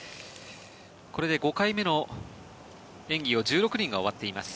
これで５回目の演技を１６人が終わっています。